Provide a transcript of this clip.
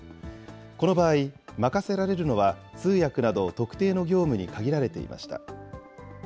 この場合、任せられるのは通訳など特定の業務に限られていました。